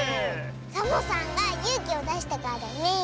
サボさんがゆうきをだしたからだねえ。